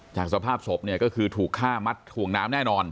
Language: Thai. จากสภาพศพก็คือถูกฆ่ามัดห่วงน้ำแน่นอน